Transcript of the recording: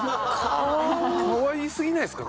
かわいすぎないですか？